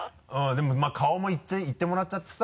でもまぁ顔もいってもらっちゃってさ。